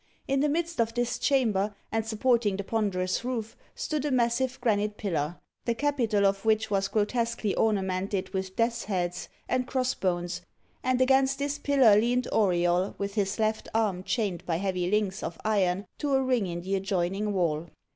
In the midst of this chamber, and supporting the ponderous roof, stood a massive granite pillar, the capital of which was grotesquely ornamented with death's heads and cross bones, and against this pillar leaned Auriol, with his left arm chained by heavy links of iron to a ring in the adjoining wall.